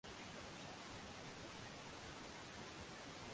gazeti hii limeandika wamekataa mapendekezo ya kubadili sheria